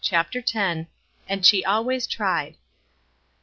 CHAPTER X. "AND SHE ALWAYS TRIED."